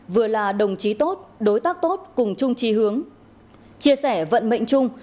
vừa là đồng chí tốt đối tác tốt cùng chung chi hướng chia sẻ vận mệnh chung